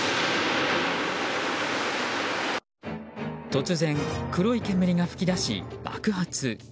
突然、黒い煙が噴き出し爆発。